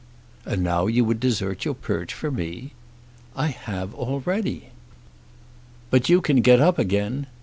"And now you would desert your perch for me!" "I have already." "But you can get up again.